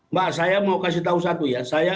mbak saya mau kasih tahu satu ya